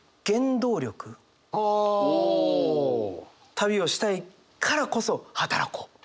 旅をしたいからこそ働こう！